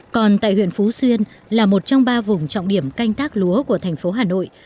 còn tại huyện phú xuyên là một trong ba vùng trọng điểm canh tác lúa của thành phố hà nội